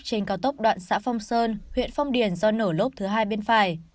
trên cao tốc đoạn xã phong sơn huyện phong điền do nổ lốp thứ hai bên phải